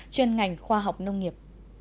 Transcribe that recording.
trên ngành khoa học nông nghiệp